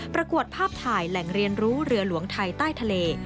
ประกวดภาพถ่ายแหล่งเรียนรู้เรือหลวงไทยใต้ทะเล